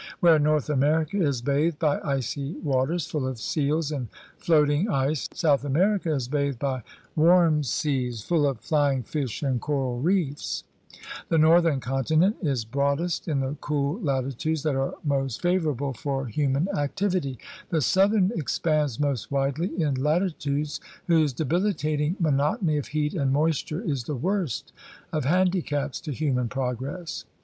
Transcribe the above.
Where North America is bathed by icy waters full of seals and floating ice South America is bathed by warm seas full of flying fish and coral reefs. The northern continent is broadest in the cool latitudes that are most THE FORM OF THE CONTINENT 49 favorable for human activity. The southern ex pands most widely in latitudes whose debilitating monotony of heat and moisture is the worst of handicaps to human progress.